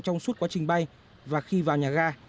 trong suốt quá trình bay và khi vào nhà ga